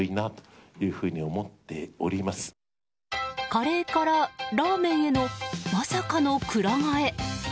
カレーからラーメンへのまさかの鞍替え。